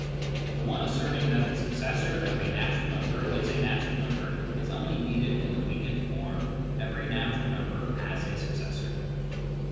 The one asserting that the successor of a natural number is a natural number is only needed in the weakened form " every natural number has a successor."